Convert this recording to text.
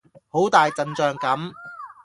好大陣仗噉